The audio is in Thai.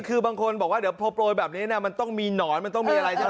คือบางคนบอกว่าเดี๋ยวพอโปรยแบบนี้มันต้องมีหนอนมันต้องมีอะไรใช่ไหม